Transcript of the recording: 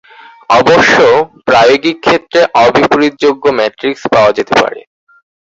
অবশ্য প্রায়োগিক ক্ষেত্রে অ-বিপরীতযোগ্য ম্যাট্রিক্স পাওয়া যেতে পারে।